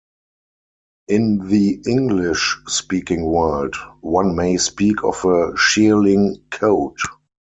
In the English-speaking world, one may speak of a shearling coat.